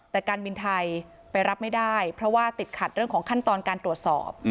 แต่การบินไทยไปรับไม่ได้เพราะว่าติดขัดเรื่องของขั้นตอนการตรวจสอบ